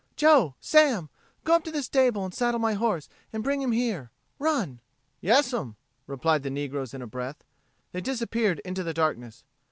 Joe! Sam! Go up to the stable and saddle my horse and bring him here. Run!" "Yassum," replied the negroes in a breath. They disappeared into the darkness.